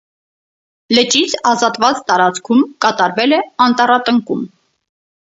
Լճից ազատված տարածքում կատարվել է անտառատնկում։